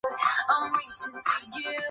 这个方程中的分母称为正则配分函数。